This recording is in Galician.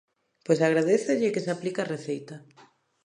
Pois agradézolle que se aplique a receita.